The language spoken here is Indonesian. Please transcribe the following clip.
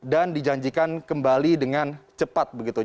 dan dijanjikan kembali dengan cepat begitu